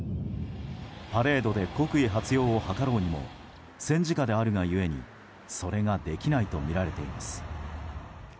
パレードで国威発揚を図ろうにも戦時下であるが故にそれができないとみられています。